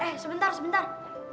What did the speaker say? eh sebentar sebentar